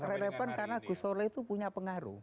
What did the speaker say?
karena relevan karena gusole itu punya pengaruh